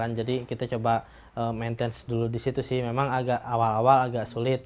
kita coba maintenance dulu di situ sih memang awal awal agak sulit